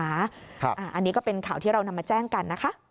อันนี้ก็เป็นข่าวที่เรานำมาแจ้งกันนะคะ